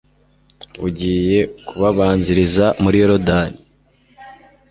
bugiye kubabanziriza muri yorudani